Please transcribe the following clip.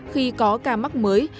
khi có ca mắc mới